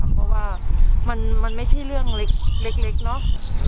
เพราะว่ามันไม่ใช่เรื่องเล็กเนาะ